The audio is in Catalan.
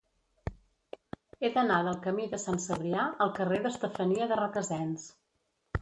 He d'anar del camí de Sant Cebrià al carrer d'Estefania de Requesens.